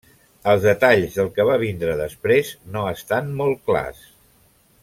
Els detalls del que va vindre després no estan molt clars.